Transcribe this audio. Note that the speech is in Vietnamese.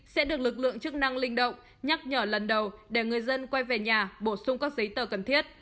sẽ được lực lượng chức năng linh động nhắc nhở lần đầu để người dân quay về nhà bổ sung các giấy tờ cần thiết